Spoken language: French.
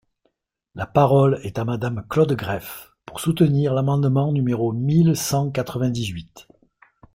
La parole est à Madame Claude Greff, pour soutenir l’amendement numéro mille cent quatre-vingt-dix-huit.